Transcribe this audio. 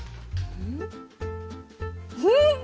うん。